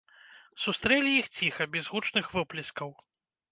Сустрэлі іх ціха, без гучных воплескаў.